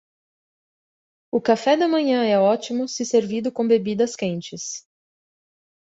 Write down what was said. O café da manhã é ótimo se servido com bebidas quentes.